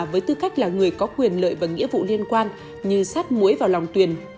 với tư cách là người có quyền lợi và nghĩa vụ liên quan như sát muối vào lòng tuyền